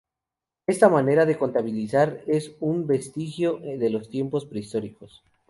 Esta manera de contabilizar es un vestigio de los tiempos prehistóricos.